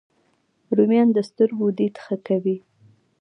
رومیان د سترګو دید ښه کوي